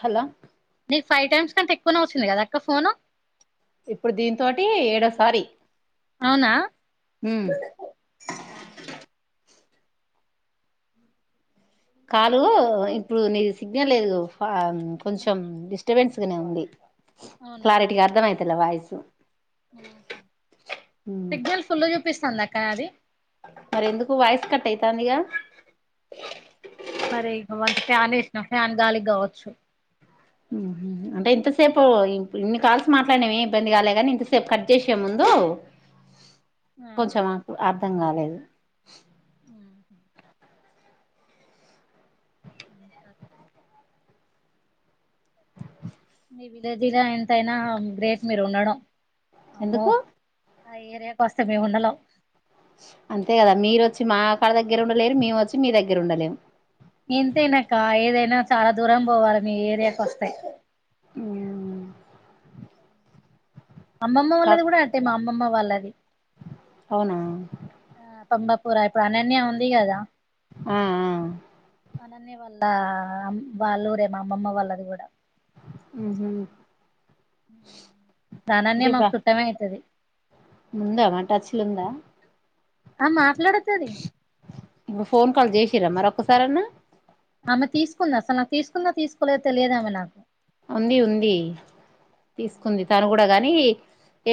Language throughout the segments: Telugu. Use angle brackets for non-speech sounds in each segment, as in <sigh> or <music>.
హలో నీకు ఫైవ్ టైమ్స్ కంత ఎక్కువనే వచ్చంది కదా అక్క ఫోను ఇప్పుడు దీ తోటి ఏడోసారి అవునా మ్మ్ కాలు ఇప్పుడు నీది సిగ్నల్ లేదు కొంచెం డిస్టర్బెన్స్ గానే ఉంది క్లారిటీకి అర్ధంయితల్ వయస్ హ సిగ్నల్ ఫుల్ల్లో చూపిస్తుంది అక్క అది మరి ఎందుకు వాయిస్ కట్ అయితందిగా మరి ఇ వంత ఫ్యాన్ వేసిన ఫ్యాన్ గాలి కావచ్చు అంటే ఇంతసేపు ఇన్ని కాల్స్ మాట్లాడవి ఇబ్బంది కాలే కాని ఇంతసేపు కట్ చేసే ముందు ఆ కొంచెం మాకు అర్థం కాలేదు ఉహు. కా ఈ విలేజీలా ఎంతైనా గ్రేట్ మీరు ఉండడం అమ్మో ఎందుకు ఆ ఏరియాకు వస్తే మేము ఉండలం అంతే కదా మీరు వచ్చి మా కాక్కడ దగ్గర ఉండలేరు మేము వచ్చి మీ దగ్గర ఉండలేము ఎంతైనాక్క ఏదైనా చాలా దూరం పోవాలి మీ ఏరియాకి వస్తే మ్మ్ అమ్మమ్మ వాళ్ళది కూడా అట్టే మా అమ్మమ్మ వాళ్ళది అవునా ఆ పంబపూర ఇప్పుడు అనన్య ఉంది కదా ఆ ఆ అనన్న వాళ్ళ వాళ్ళు రేమ అమ్మమ్మ వాళ్ళది కూడా సానన్య మాకు చుట్టమ అయితది ముందా మాటాచ్చలుందా ఆ మాకులాడుతది చ్చర మరి ఒకసార అన్న ఆమె తీసుకుందా అసలు నాకు తీసుకుందా తీసుకోలే తెలియదు ఆమె నాకు ఉంది ఉంది తీసుకుంది తను కూడా గాని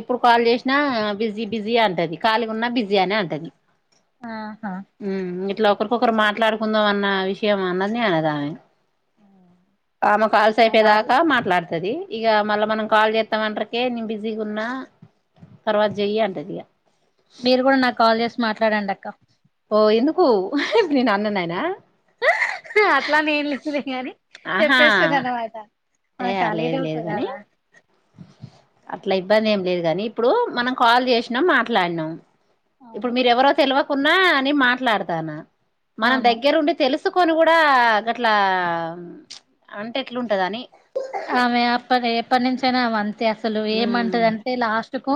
ఎప్పుడు కాల్ చేసినా బిజీ బిజీ అంటది కాలిగా ఉన్నా బిజీ అనే అంటది ఆహా ఒకరు మాట్లాడుకుందాం అన్న విషయం అన్నదిని అనేదామె ఆమె కాలుసే ఆ మాట్లా పెదాకా మాట్లాడతది ఇక మళ్ళా మనం కాల్ చేస్తామ అంటరికే నేను బిజీగా ఉన్నా తర్వాత చెయ్య అంటది ఇక మీరు కూడా నాకు కాల్ చేసి మాట్లాడండి అక్క ఓ ఎందుకు హ్ ఇప్పుడు నేను అన్యాననా అట్లా నేన్ లేదులే గాని చెప్పేస్తాదన మాట. య్య లేదు లేదు కాని అట్లా ఇబ్బంది ఎమ్ లేదు కాని ఇప్పుడు మనం కాల్ చేసినామ్ మాట్లాడినామ్. ఇప్పుడు అవును మీరు ఎవరో తెలివకున్నా నేన్ మాట్లాడతాను మనం అవును దగ్గరుండి తెలుస్ ఎత్తుకొని కూడా గట్లా చ్ అంటే ఎట్లుంటదని ఆమె అప్పడే ఎప్పటి నుంచైనా రావాల్ తే అసలు ఉమ్ ఏమంటదంటే లాస్ట్ కు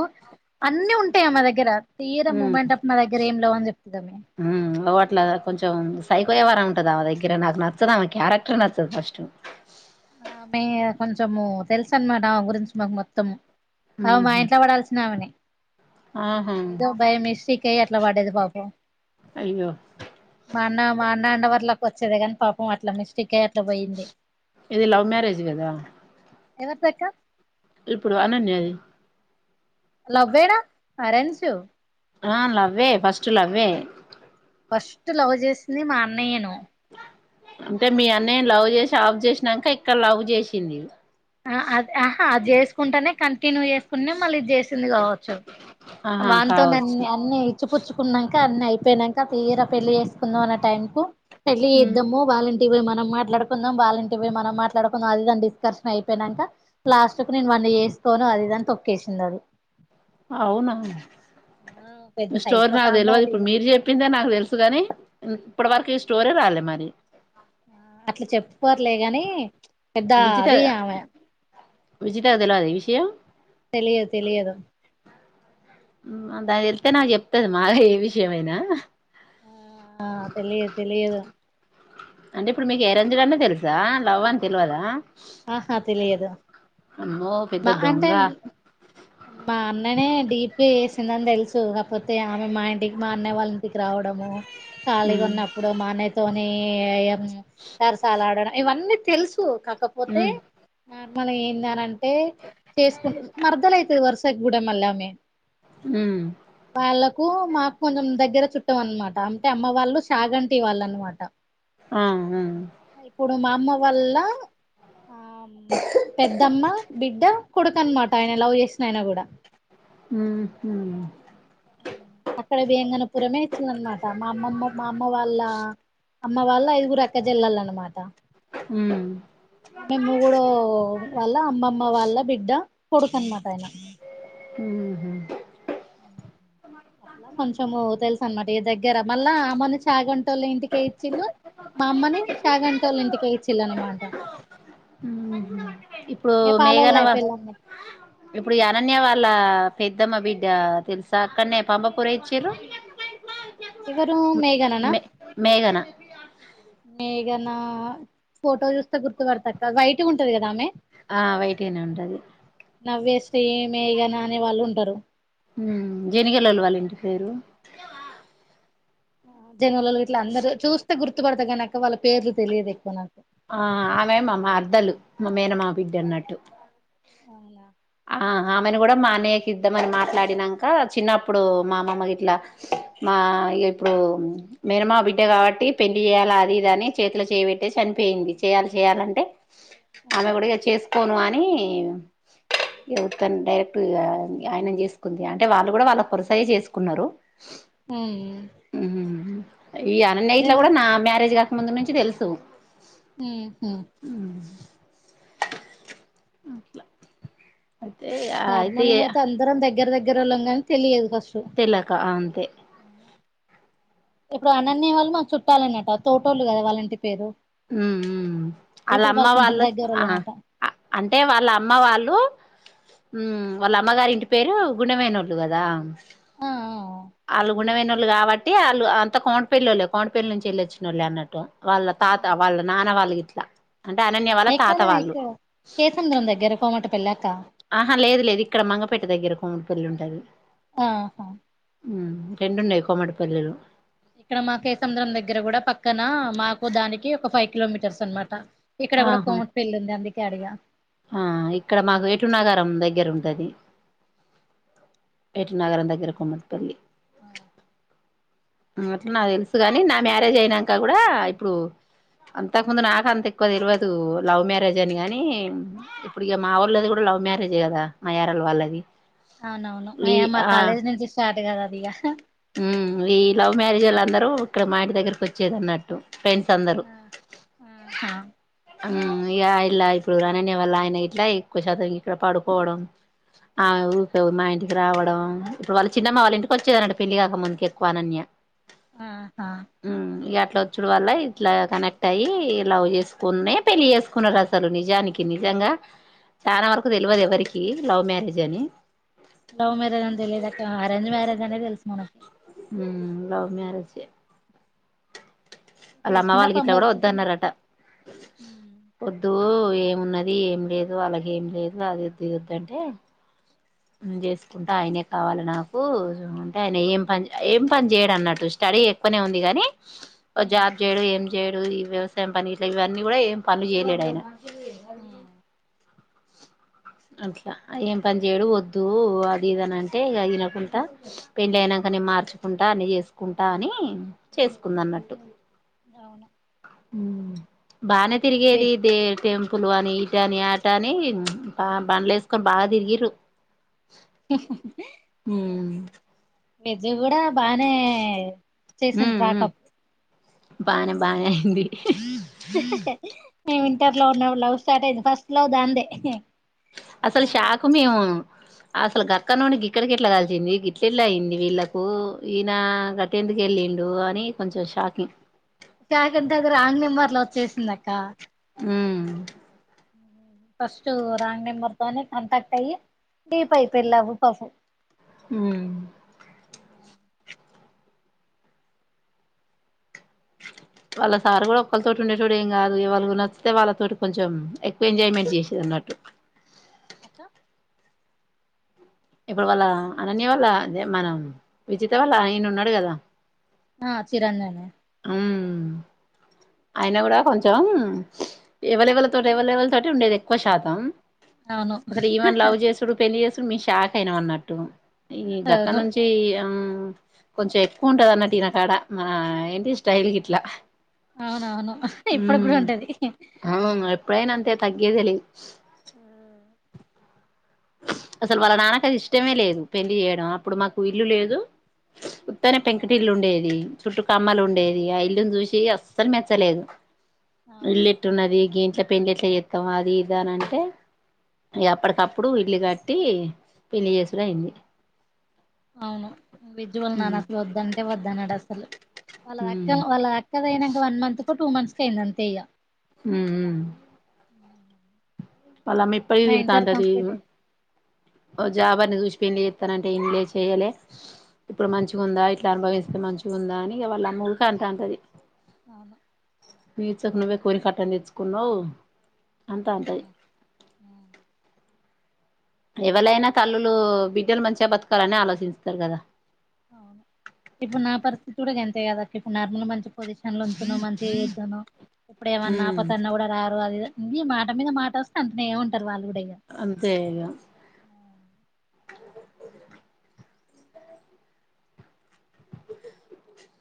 అన్ని ఉంటాయి ఆమె దగ్గర. తీర ఉమ్ మూమెంట్ అప్ నా దగ్గర ఎమ్ లేవని చెప్తుంది ఆమె. ఉమ్ ఓ అట్లా కొంచెం సైకో యవ్వారం ఉంటది ఆమె దగ్గర నాకు నచ్చదు ఆ క్యారెక్టర్ నచ్చదు ఫస్టు. ఆమె కొంచము తెలుస అనమాట ఆమె గురించి మాకు మొత్తము. ఆమె మా ఉహు ఇంట్లో పడాల్సిన ఆమెనే ఆహా ఏదో భయమేసి కియే అట్లా పడ్డది పాపము అయ్యో మా అన్న మా అన్న ఉండవట్లాక వచ్చేది కాని పాపం అట్లా మిస్టికయి అట్లా పోయింది. ఇది లవ్ మ్యారేజు కదా ఎవరిదక్క ఇప్పుడు అనన్యది లవ్వేనా ఆరన్జు ఆ లవ్వే ఫస్ట్ లవ్వే ఫస్ట్ లవ్ చేసింది మా అన్నయ్యను అంటే మీ అన్నయ్య లవ్ చేసి ఆఫ్ చేసిన్నక ఇక్కడ లవ్ చేసింది. ఆ అది ఆహా అది చేసుకుంటనే కంటిన్యూ చేసుకునే మళ్ళీ ఇది చేసింది కావచ్చు. ఆహా కావచ్చు వాతోన్నే అన్ని ఇచ్చిపుచ్చుకున్నాక అన్ని అయిపోయినాక, తీరా పెళ్లి చేేసుకుందాం అన్న టైమ్ పో పెళ్లి చేద్దాము వాళ్ళని ఇవి మనం మాట్లాడుకుందాం వాళ్ళంటికి పోయి మనం మాట్లాడుకుందాం అదిదాని డిస్కషన్ అయిపోయిన్నాక. ప్లాస్టుకి నేను వాన్ని చేస్కోను అది ఇదాని తొక్కేసింది అది. ఆవునా ఆ పెద్ద ఈ స్టోర్ సైకో నాకు తెలవదు సాంబాది ఇప్పుడు మీరు చెప్పిందే నాకు తెలుసు గాని ఇప్పటి వరకు ఇస్ స్టోరే రాలే మరి ఆ అట్లా చెప్పుకోవట్లే గాని పెద్ద అది ఆమె విజిటకు తెలియదా ఇ విషయం తెలియదు తెలియదు ఉమ్ ఆ దానికి తెలిస్తే నాకు చెప్తది మాగా ఏ విషయమైనా. ఆ తెలియదు తెలియదు అంటే ఇప్పుడు మీకు ఏరంజడనే తెలుసా లవ్ అని తెల్వదా. ఆహా తెలియదు అమ్మో పెద్ద మా అంటే దొంగ మ్ మా అన్ననే డీప్ ఇ వేసిందని తెలుసు కాకపోతే ఆమె మా ఇంటికి మా అన్నయ్య వాళ్ళ ఇంటికి రావడము. ఖాళీగా ఉమ్ ఉన్నప్పుడు మా అన్నయ్యతోనే మ్ సరసాలు ఆడడం ఇవన్నీ. తెలుసు కాక్ ఉ మన ఎందని అంటే చేసుకుంటుంది మరదలు అయితుది వరుసకు కూడా మళ్ళా ఆమె ఉ కు మాకు కొంచెం దగ్గర చుట్టం అనమాట అంటే అమ్మ వాళ్ళు సాగంటి వాళ్ళు అనమాట. ఆ హు ఇప్పుడు మా అమ్మ వాళ్ల ఆమ్ పెద్దమ్మ బిడ్డ కొడుకనమాట ఆయన లవ్ చేసిన ఆయన కూడా. ఉ హు అక్కడ వేంగనపురమే ఇచ్చిందనమాట మా అమ్మమ్మ మా అమ్మ వాళ్ళ. అమ్మ వాళ్ళు ఐదుగురు అక్కజెల్లాలన్నమాట. ఉమ్ అవి మూడోవి వాళ్ళ అమ్మమ్మ వాళ్ళ బిడ్డ కొడుకు అనమాట ఆయన మ్మ్ ఏ దగ్గర మల్ల అ మొన్న చాగంటోళ్ల ఇంటి కె ఇచ్చిల్లు మా అమ్మని చాగంటోళ్ల ఇంటికి ఇచ్చిల్లనమాట మ్మ్ ఇప్పుడు పాలోళ్ళు మేఘన వాళ్లు అయిపోయిళండి ఇప్పుడు అనన్య వాళ్ల పెద్దమ్మ బిడ్డ తెలుసా అక్కనే పంపపూర ఇచ్చిరు ఎవరు మేఘననా మేఘన మేగ్ ఘన ఫోటో చూస్తే గుర్తుపడతాక్క వైట్‌గా ఉంటది కదా ఆమె ఆ వైట్‌గానే ఉంటది నవ్య శ్రీ మేఘనా అనే వాళ్ళు ఉంటారు జానిగిల్లోళ్లు వాళ్ల ఇంటి పేరు. జానిగిల్లోళ్లు ఇట్లా అందరు చూస్తే గుర్తుపడతాను అక్క వాళ్ళ పేర్లు తెలియదు ఎక్కువ నాకు ఆ ఆమె మా మరదలు మా మేనమామ బిడ్డ అన్నట్టు అవునా ఆహా హమ్ ఆమెను కూడా మా అన్నయ్యకి ఇద్దామని మాట్లాడినాక చిన్నప్పుడు మామమ్మ ఇట్లా మా ఇప్పుడు మేనమామ బిడ్డ కాబట్టి పెండ్లి చేయాలి అది ఇది అని చేతిలో చేయి పెట్టేసి చనిపో పోయింది చేయాలి చేయాలంటే ఆ ఆమె గూడ చేసుకోను అని ఎవరికని డైరెక్ట్ ఆయనం చేసుకుంది అంటే వాళ్ళు కూడా వాళ్ళ వరసై చేసుకున్నారు ఉమ్ ఇ అన్న ఇట్లు లో జన కూడా నా మ్యారేజ్ గా ముందు నుంచి తెలుసు మ్మ్ అయితే నార్మల్ గా అయితే అందరం దగ్గర దగ్గరుల్లం కానీ తెలియదు ఫస్ట్ తెలక అంతే ఇప్పుడు అనన్య వాళ్లు మా చుట్టాలన్నట తోటోళ్ళు కదా వాళ్ళంటి పేరు ఉ వాళ్ళ ఇప్పుడు అమ్మ వాళ్ళు కొంచెం వాళ్లు ఆ దగ్గరోళ్ళనట అంటే వాళ్ళ అమ్మ వాళ్ళు ఉ వాళ్ళ అమ్మగారి ఇంటి పేరు గుండె పోయినోళ్ళు కదా ఆ వాళ్లు కాబట్టి వాళ్ళు అంత కొంటుపెల్లి వాళ్ళ కొంటుపెళ్లి నుంచి వెళ్ళొచ్చినోళ్లే అన్నట్టు వాళ్ళ తాత వాళ్ళ నాన్న వాళ్లు ఇట్లా అంటే అనన్య వాళ్ళ తాత ఎక్కడ వాళ్ళు పిలక ఆహా లేదు లేదు ఇక్కడ మంగపేట దగ్గర కొమ్ముడిపల్లి ఉంటది ఆహా రెండున్నాయి కోమటిపెళ్లిలు ఇక్కడ మా కేసముద్రం దగ్గర కూడా పక్కన మాకు దానికి ఒక ఫైవ్ కిలోమీటర్స్ అనమాట ఇక్కడ కూడా ఆహా కోమటి పెళ్లి ఉంది అందుకే అడిగా ఆ ఇక్కడ మాకు ఏటునాగారం దగ్గర ఉ ది ఏటూర్ నాగారం దగ్గర కోమటిపల్లి ఆ అట్లా నాకు తెలుసు కాని నా మ్యారేజ్ అయినాక కూడా ఇప్పుడు అంతకు ముందు నాక అంత ఎక్కువ తెల్వదు లవ్ మ్యారేజ్ అని గాని ఇప్పుడు ఇక మా వాళ్ళుది కూడా లవ్ లవ్ మ్యారేజ్ కదా మా యరాల వాళ్లది అవునవును అయ మా కాలేజ్ నుంచి స్టార్ట్ కద అది ఇక మ్యారేజ్ వాళ్ళ అందరూ ఇక్కడ మా ఇంటి దగ్గరకి వచ్చేది అన్నట్టు ఫ్రెండ్స్ అందరూ ఆ ఆ ఆహా ఇక ఇలా ఇప్పుడు అనన్య వాళ్ల ఆయన ఇట్లా ఎక్కువ శాతం ఇక్కడ పడుకోవడం ఆ ఊకె మా ఇంటికి రావడం ఇప్పుడు వాళ్ళ చిన్నమ్మ వాళ్ళ ఇంటికి వచ్చేదంట పెళ్లి కాక ముందుకు ఎక్కువ అనన్య ఆహా ఇట్లా వచ్చడు వల్ల ఇట్లా కనెక్ట్ అయ్యి లా చేసుకున్నా పెళ్లి చేసుకున్నారు అసలు నిజానికి నిజా చాలా వరకు తెలియదు ఎవరికి లవ్ మ్యారేజ్ అని లవ్ మ్యారేజ్ అంత తెలియదుాక్క అరేంజ్ మ్యారేజ్ అనే తెలుసు మనకి ఆ లవ్ మ్యారేజ్ వాళ్ళ అమ్మ చేసుకుంటే ఆ వాళ్ళకి ఇట్లా పంబర్ కూడా వద్దు కుటుంబం అన్నారట ఉమ్ వద్దు ఏమున్నది ఏం లేదు వాళ్ళకి లేదు అది తీద్ద్దంటే చేసుకుంటా ఆయనే కావాలి నాకు అంటే ఆయన ఏం పని ఏం పని చేయడు అన్నట్టు స్టడీ ఎక్కునే ఉంది గాని ఉమ్ జాబ్ చేయడు ఏం చేయడు ఈ వ్యవసాయం పని ఇట్లా ఇవన్నీ కూడా ఏం పను చేయలేడు ఆయన హ అట్లా ఏం పని చేయడు వద్దు అది ఇదని అంటే ఇ తినకుండా పెళ్లి అయినాక అని మార్చుకుంటా అని చేసుకుంటా అని చేసుకుంద అన్నట్టు అవును బానే తిరిగేది వెజ్ దే ట్టె టెంపుల్ అని ఈట అని ఆట అని బండ్లు వేసుకొని బాగా తిరిగారు బుజ్జి గాడు బానే చేసాంది ఉమ్ ఉమ్ ట్రాకప్ బానే బానే అయింది మేము ఇంటర్ లో ఉన్నప్పుడు లవ్ స్టార్ట్ అయింది ఫస్ట్ లో దా అందే అసలు కాలేజ్ షాక్ మేము అ అసలు గక్క నుడి గిక్కె గిట్ల కలిచింది గిట్లెట్లా అయిందిీళ్ళలకు ఈయన గట్టెందుకుెళ్ళిండు ని కొంచెం షాకింగ్ కాకడి దగ్గర ఆంగ్నేం వర్ల వచ్చేసిందిక్క ఉమ్ <unintelligible> ఫస్ట్ రింగ్ నెంబర్ తో కాంటాక్ట్ అయి దీప అయిపోయి లవ్ అ వాళ్ళ సారు కూడా ఒకళ్ళతోటి ఉండే తోడు ఏం కాదు వాలు ఎవరు నచ్చితే వాళ్ళతోటి కొంచెం ఎంజాయ్మెంట్ చేసిదిన్నట్టు ఇప్పుడు వాళ్ళ అనన్య వల్ళద మనం విజిత వల్ల నయను ఉన్నాడు కదా ఆ చిరాన్ననే <inaudible> అయినా కూడా కొంచెం ఎవరు ఎవరు తో ఎవైలబుల్ తోటి ఉండేది ఎక్కువ శాతం అవును అసలు ఈమెను లవ్ చేసుడు పెళ్లిి చేసుడు మీ షాక్ అయిన అన్నట్టు ఈ ఎక్కడ అవును నుంచి ఆ కొంచెం ఎక్కువ ఉంటద అన్నటిటీ నా కాడ మన ఏంటి స్టైల్ గట్లా అవునవును ఇప్పుడు కూడా ఉంటది ఉ ఎప్పుడైనా అంతే తగ్గేదిలిదు ఆ అసలు వాళ్ళ నాన్నకాది ఇష్టమే లేదు పెళ్లి చేయడం అప్పుడు మాకు ఇల్లు లేదు పత్తనే ఆ పెంకటిల్లు ఉండేది చుట్టు కమ్మలు ఉండేది ఆ ఇల్లుని చూసి అస్సలు మెచ్చలేదు అవును ఇల్లిట్టు ఎత్త వినదు పెళ్లి ఎట్లా చేస్తాం అది ఇదా అని అంటే అప్పటికప్పుడు అప్పుడు ఇల్లు కట్టి పెళ్లి చేసుడం అయింది అవును విజు వల నాను మ్మ్ అసలు వద్దంటే వద్దన్నాడు అసలు వాళ్ళ అక్క మ్మ్ వాళ్ళ అక్క అయినాక వన్ మంత్ కు టూ మంత్స్ క అయింది అంతేయ్య హ వల అమ్మ ఎప్పటికీ నా ఇంటర్ తిడుంతుది కంప్లీట్ అయి ఓ జాబార్ని చూసిపోయిం చెస్తానంటే ఇంలే చెయ్యాలి ఇప్పుడు మంచిగా ఉందా ఇట్లా అనుభవిస్తే మంచిగా ఉందా అని వాళ్ళ ముూక అంత అంతది అవును ఫ్యూచర్ కోరి కట్ట తెచ్చుకున్నావు అంతా అంటయి అవును ఎవలైనా తల్లులు బిడ్డలు మంచిగా బతకాలని ఆలోచించుతారు కద ఇప్పుడు నా పరిస్థితి కూడ ఎంతే కదా ఇపుడు నార్మల్ <unintelligible> పొజిషన్ లో ఉంచను మంచి చడ్డను ఇప్పుడు ఏమన్నా ఉమ్ అపదన్న కూడ రారు అది ఇ మాట మీద మాట వస్తే అంటనే ఉంటారు వాళ్ అంతేగ